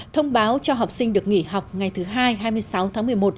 thông báo cho học sinh được nghỉ học ngày thứ hai hai mươi sáu tháng một mươi một